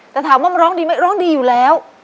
แต่ถามว่ามันร้องดีไหมร้องดีอยู่แล้ว